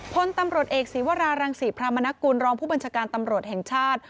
พลตำรวจเอกศีวรารังศรีพรามนกุลรองผู้บัญชาการตำรวจแห่งชาติ